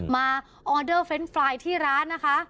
ออเดอร์เฟรนด์ไฟล์ที่ร้านนะคะ